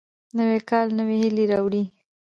نوی کال نوې هیلې راوړي